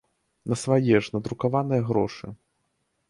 На свае ж, надрукаваныя грошы!